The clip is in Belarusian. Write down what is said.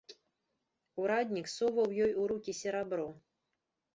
Ураднік соваў ёй у рукі серабро.